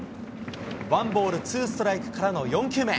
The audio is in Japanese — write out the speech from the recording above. ワンボールツーストライクからの４球目。